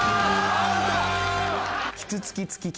アウト！